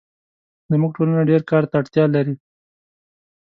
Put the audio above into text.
زموږ ټولنه ډېرکار ته اړتیا لري